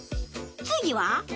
次は？